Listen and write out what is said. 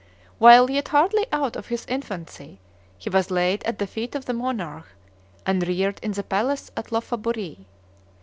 While yet hardly out of his infancy, he was laid at the feet of the monarch, and reared in the palace at Lophaburee.